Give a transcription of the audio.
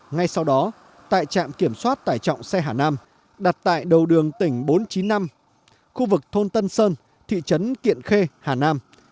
ngay sau đó tại trạm kiểm soát tải trọng xe hà nam đặt tại đầu đường tỉnh bốn trăm chín mươi năm khu vực thôn tân sơn thị trấn kiện khê hà nam